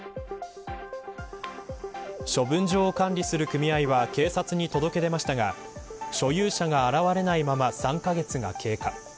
処分場を管理する組合は警察に届け出ましたが所有者が現れないまま３カ月が経過。